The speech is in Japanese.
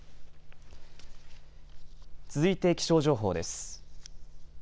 続いて気象情報です。